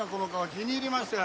気に入りましたよ。